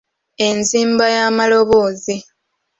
Enzimba y’amaloboozi